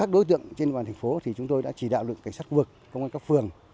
diễn biến vẫn rất phức tạp